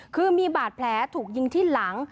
คือมีบาดแผลถูกยิงที่หลัง